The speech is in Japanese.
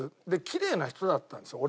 きれいな人だったんですよ